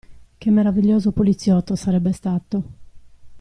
Che meraviglioso poliziotto sarebbe stato!